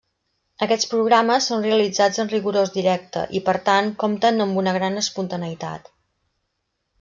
Aquests programes són realitzats en rigorós directe, i per tant compten amb una gran espontaneïtat.